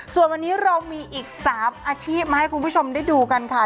ส่วนวันนี้เรามีอีก๓อาชีพมาให้คุณผู้ชมได้ดูกันค่ะ